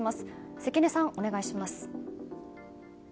関根さん、お願いします。